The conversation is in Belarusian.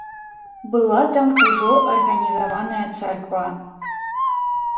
Была там ужо арганізаваная царква.